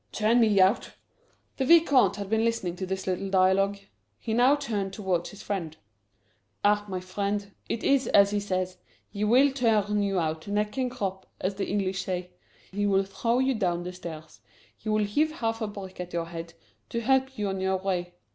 "Turn me out!" The Vicomte had been listening to this little dialogue. He now turned towards his friend. "Ah, my friend, it is as he says! He will turn you out, neck and crop, as the English say. He will throw you down the stairs, he will heave half a brick at your head, to help you on your way.